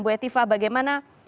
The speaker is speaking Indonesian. bu hetiva bagaimana